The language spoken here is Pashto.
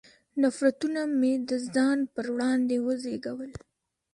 نفرتونه مې د ځان پر وړاندې وزېږول.